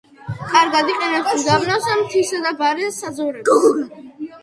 კარგად იყენებს უდაბნოს, მთისა და ბარის საძოვრებს.